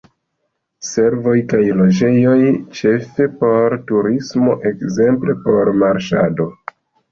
Servoj kaj loĝejoj, ĉefe por turismo, ekzemple por marŝado.